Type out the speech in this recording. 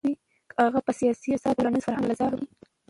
که هغه په سياسي، اقتصادي ،ټولنيز، فرهنګي لحاظ وي .